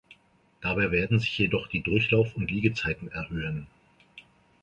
Dabei werden sich jedoch die Durchlauf- und Liegezeiten erhöhen.